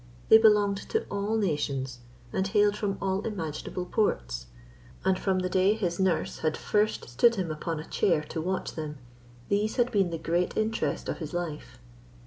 They belonged to all nations, and hailed from all imaginable ports; and from the day his nurse had first stood him upon a chair to watch them, these had been the great interest of his life.